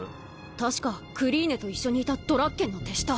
確かクリーネと一緒にいたドラッケンの手下。